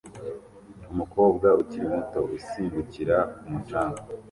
Umukobwa ukiri muto usimbukira ku mucanga